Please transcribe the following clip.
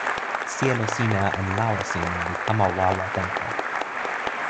sijelo sina en lawa sina li kama wawa tenpo.